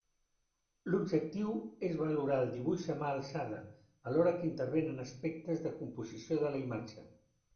L'objectiu és valorar el dibuix a mà alçada alhora que intervenen aspectes de composició de la imatge.